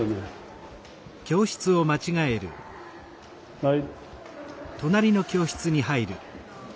はい。